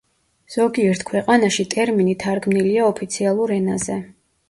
ზოგიერთ ქვეყანაში ტერმინი თარგმნილია ოფიციალურ ენაზე.